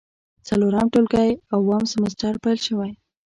څلورم ټولګی او اووم سمستر پیل شوی و.